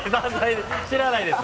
知らないです。